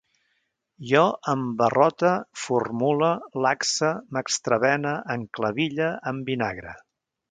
Jo embarrote, formule, laxe, m'extravene, enclaville, envinagre